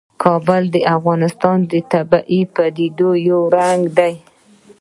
کابل د افغانستان د طبیعي پدیدو یو رنګ دی.